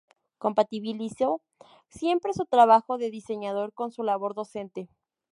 Compatibilizó siempre su trabajo de diseñador con su labor docente.